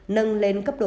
nâng lên cấp độ hai